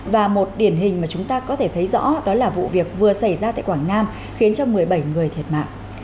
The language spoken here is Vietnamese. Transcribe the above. và một điển hình mà chúng ta có thể thấy rõ đó là vụ việc vừa xảy ra tại quảng nam khiến cho một mươi bảy người thiệt mạng